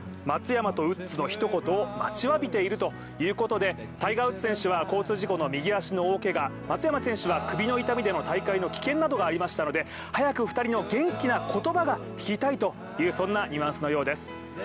松山とウッズの一言を待ちわびているということで、タイガー・ウッズ選手は交通事故の右足の大けが、松山選手は首の痛みでの大会の棄権などがありましたので早く２人の元気な言葉が聞きたいというニュアンスのようです。